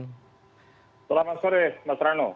selamat sore mbak trano